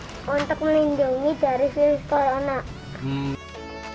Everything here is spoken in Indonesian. untuk melindungi dari virus corona